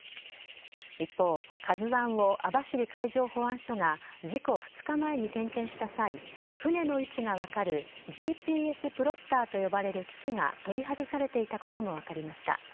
一方、「ＫＡＺＵ１」を網走海上保安署が事故２日前に点検した際船の位置が分かるＧＰＳプロッターと呼ばれる機器が取り外されていたことも分かりました。